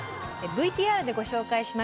ＶＴＲでご紹介しました冷感